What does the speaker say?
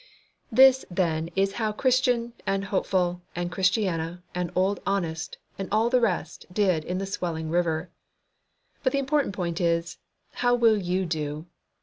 This, then, is how Christian and Hopeful and Christiana and Old Honest and all the rest did in the swelling river. But the important point is, HOW WILL YOU DO?